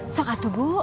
sok atuh bu